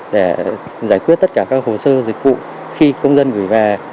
để giải quyết tất cả các hồ sơ dịch vụ khi công dân gửi về